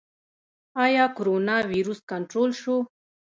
آیا کرونا ویروس کنټرول شو؟